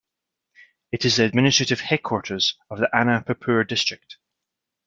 It is the administrative headquarters of Anuppur District.